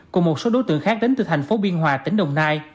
cùng một số đối tượng khác đến từ thành phố biên hòa tỉnh đồng nai